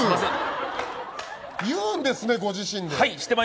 言うんですね、ご自身で。